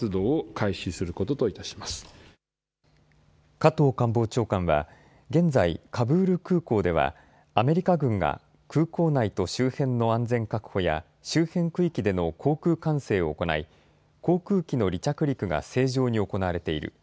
加藤官房長官は現在、カブール空港ではアメリカ軍が空港内と周辺の安全確保や周辺区域での航空管制を行い、航空機の離着陸が正常に行われている。